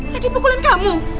radit pukulin kamu